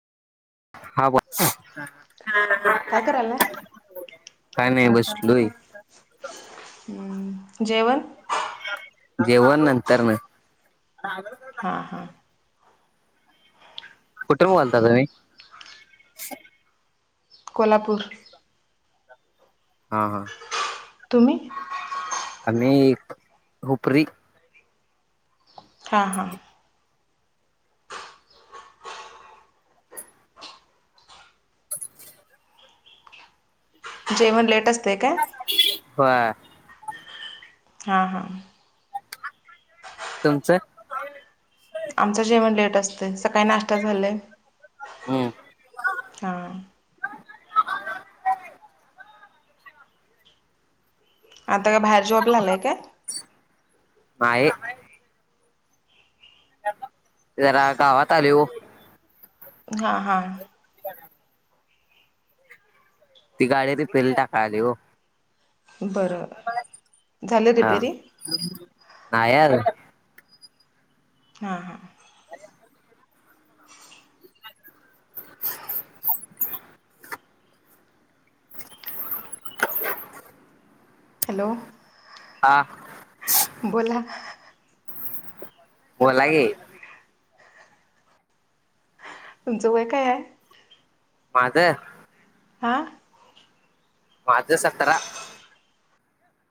हा बा, काय करायला काय नाही बसलोय. जेवण. जेवण नंतर न. हां हां. कुठून बोलता तूम्ही. कोल्हापूर. हा हा. तुम्ही. आम्ही खूपरी. हां हां. [unintelligible] [inaudible] जेवण लेट अस्तेय काय? व्हय. हां हां. तुमचं. आमचं जेवण लेट असतय, सकाळी नाष्टा झालंय. हम्म. हा. आता का, बाहेर जॉबला आलाय काय? हाये. जरा, गावात आले ओ. हा हा. [inaudible] ती गाडी रीपेला टाकाय आली ओ. बर, झालं रिपेरी नाय आजून. हा हा. हॅलो. हा. बोला. बोला की. तुमचं वय काय आहे? माझं. आ. माझ सतरा.